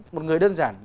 một người đơn giản